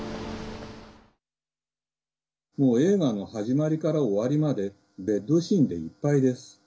もう映画の始まりから終わりまでベッドシーンでいっぱいです。